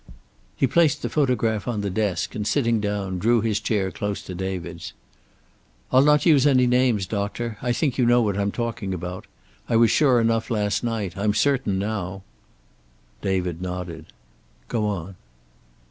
He placed the photograph on the desk, and sitting down, drew his chair close to David's. "I'll not use any names, Doctor. I think you know what I'm talking about. I was sure enough last night. I'm certain now." David nodded. "Go on."